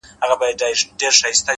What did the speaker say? د دوزخي حُسن چيرمني جنتي دي کړم _